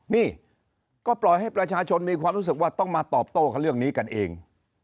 นี่ก็ปล่อยให้ประชาชนมีความรู้สึกว่าต้องมาตอบโต้กับเรื่องนี้กันเอง